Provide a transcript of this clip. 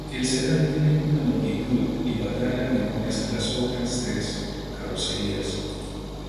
El sedán tiene una longitud y batalla menores que las otras tres carrocerías.